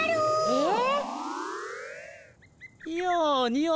えっ？